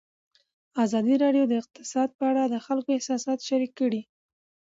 ازادي راډیو د اقتصاد په اړه د خلکو احساسات شریک کړي.